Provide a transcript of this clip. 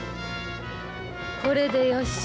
これでよし。